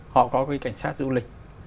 họ có cái cảnh sát du lịch